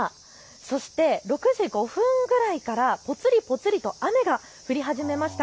そして６時５分くらいからぽつりぽつりと雨が降り始めました。